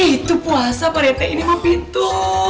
itu puasa pak rete ini mau pintu